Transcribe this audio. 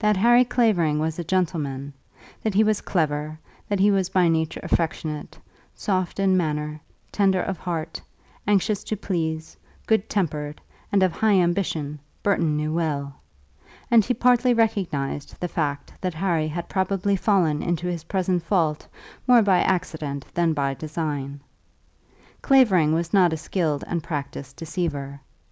That Harry Clavering was a gentleman, that he was clever, that he was by nature affectionate, soft in manner, tender of heart, anxious to please, good tempered, and of high ambition, Burton knew well; and he partly recognized the fact that Harry had probably fallen into his present fault more by accident than by design. Clavering was not a skilled and practiced deceiver.